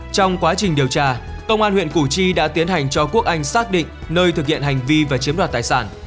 trong quá trình điều tra công an huyện củ chi đã tiến hành cho quốc anh xác định nơi thực hiện hành vi và chiếm đoạt tài sản